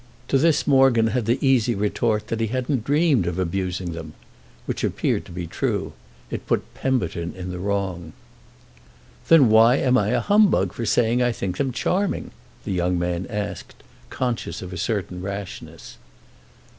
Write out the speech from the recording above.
To this Morgan had the easy retort that he hadn't dreamed of abusing them; which appeared to be true: it put Pemberton in the wrong. "Then why am I a humbug for saying I think them charming?" the young man asked, conscious of a certain rashness.